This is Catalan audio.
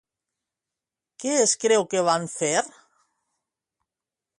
Què es creu que van fer?